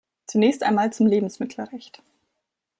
Zunächst einmal zum Lebensmittelrecht.